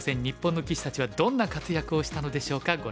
日本の棋士たちはどんな活躍をしたのでしょうか。